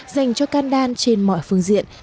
dành cho kandan trên mọi phương diện